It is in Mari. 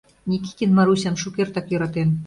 Никитин Марусям шукертак йӧратен.